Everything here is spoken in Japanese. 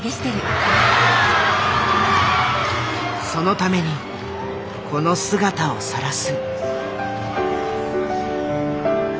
そのためにこの姿をさらす。